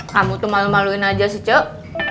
kamu tuh malu maluin aja sih cok